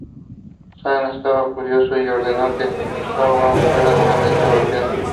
Zhang estaba furioso y ordenó que Cao Bao fuera duramente golpeado.